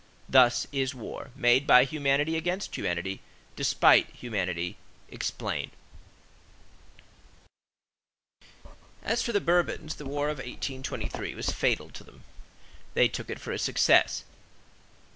Thus is war, made by humanity against humanity, despite humanity, explained. As for the Bourbons, the war of 1823 was fatal to them. They took it for a success.